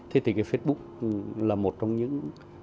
thế thì facebook là một trong những